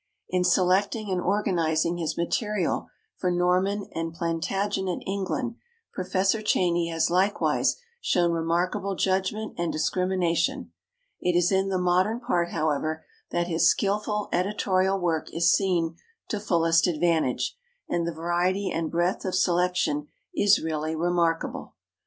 In selecting and organizing his material for Norman and Plantagenet England Professor Cheyney has likewise shown remarkable judgment and discrimination. It is in the modern part, however, that his skilful editorial work is seen to fullest advantage and the variety and breadth of selection is really remarkable.